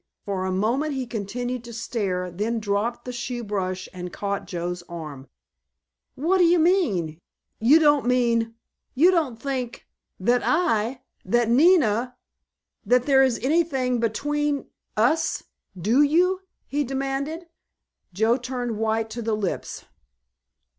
For a moment he continued to stare, then dropped the shoe brush and caught Joe's arm. "What d'you mean—you don't mean—you don't think—that I—that Nina—that there is anything between us, do you?" he demanded. Joe turned white to the lips.